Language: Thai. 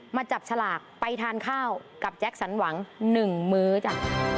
มาจับฉลากไปทานข้าวกับแจ็คสันหวัง๑มื้อจ้ะ